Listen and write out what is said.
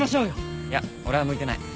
いや俺は向いてない。